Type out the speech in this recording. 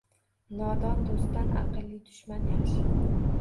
Nodon do’stdan aqlli dushman yaxshi.